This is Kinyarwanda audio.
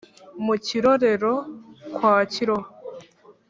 mu kirorero kwa kiroha